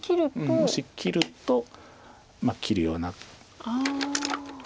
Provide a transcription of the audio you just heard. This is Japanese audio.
もし切ると切るような感じで。